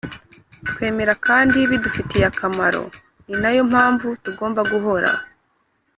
Twemera kandi bidufitiye akamaro ni nayo mpamvu tugomba guhora